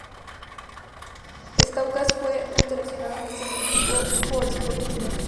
Stauskas fue un seleccionado en el segundo equipo por Sporting News.